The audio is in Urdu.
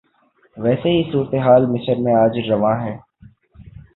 ویسی ہی صورتحال مصر میں آج روا ہے۔